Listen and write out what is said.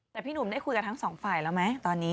แต่พี่หนุ่มได้คุยกับทั้งสองฝ่ายแล้วไหมตอนนี้